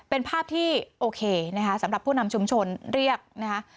เป็นภาพที่โอเคนะคะสำหรับผู้นำชุมชนเรียกนะคะ